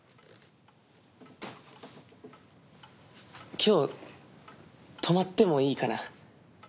今日泊まってもいいかな？